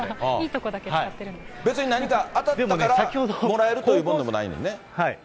別に何か当たったからもらえるというものでもないんですね。